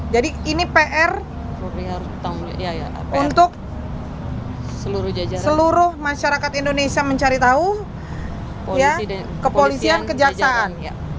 jadi ini pr untuk seluruh masyarakat indonesia mencari tahu kepolisian kejaksaan